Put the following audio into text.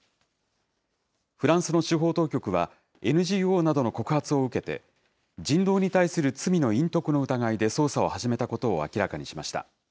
フランスの司法当局は、ＮＧＯなどの告発を受けて、人道に対する罪の隠匿の疑いで捜査を始めたことを明らかにしました。